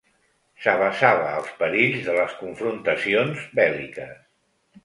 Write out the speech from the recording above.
S'avesava als perills de les confrontacions bèl·liques.